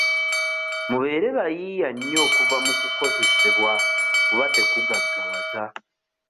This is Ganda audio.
Mubeere bayiiya nnyo okuva mu kukozesebwa kuba tekugaggawaza.